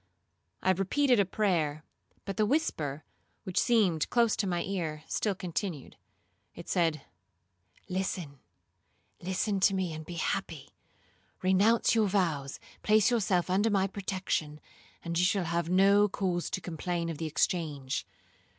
I repeated a prayer, but the whisper, which seemed close to my ear, still continued. It said, 'Listen,—listen to me, and be happy. Renounce your vows, place yourself under my protection, and you shall have no cause to complain of the exchange.